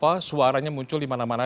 sudah mulai suaranya muncul dimana mana